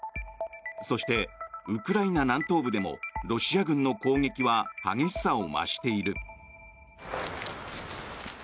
そして、ウクライナ南東部でもロシア軍の攻撃は激しさを増している。